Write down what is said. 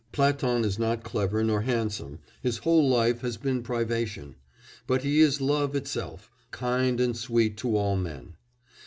Platon is not clever nor handsome, his whole life has been privation, but he is love itself, kind and sweet to all men.